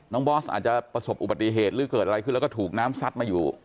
บอสอาจจะประสบอุบัติเหตุหรือเกิดอะไรขึ้นแล้วก็ถูกน้ำซัดมาอยู่